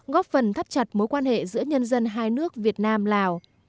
góp phần thắt chặt mối quan hệ giữa nhân dân hai nước việt nam lào